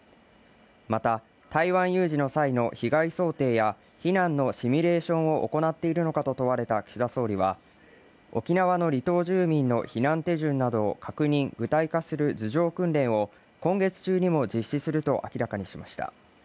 また、台湾有事の際の被害想定や避難のシミュレーションを行っているのかと問われた岸田総理は、沖縄の離島住民の避難手順などを確認具体化する図上訓練を今月中にも実施すると明らかにしました。